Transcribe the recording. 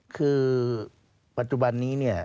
คือปัจจุบันนี้เนี่ย